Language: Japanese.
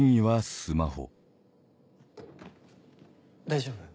大丈夫？